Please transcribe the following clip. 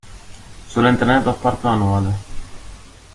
Suelen tener dos partos anuales.